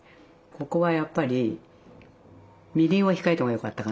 ここはやっぱりみりんを控えたほうがよかったかなとは思う。